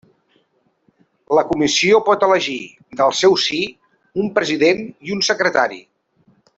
La Comissió pot elegir, del seu sí, un president i un secretari.